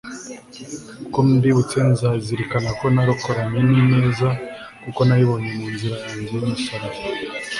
uko mbibutse nzazirikana ko narokokanye n'ineza kuko nayibonye mu nzira yanjye y'umusalaba